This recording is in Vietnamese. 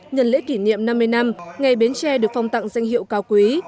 nhận lễ kỷ niệm năm mươi năm ngày bến tre được phong tặng danh hiệu cao quý